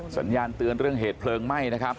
สัญญาณเตือนเรื่องเหตุเพลิงไหม้นะครับ